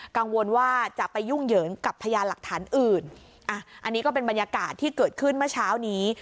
กังวลว่าจะไปยุ่งเหยิงกับพยานหลักฐานอื่นอ่ะอันนี้ก็เป็นบรรยากาศที่เกิดขึ้นเมื่อเช้านี้